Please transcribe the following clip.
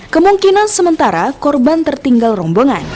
kemungkinan sementara korban tertinggal rombongan